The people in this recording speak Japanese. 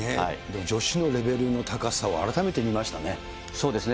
女子のレベルの高さを改めてそうですね。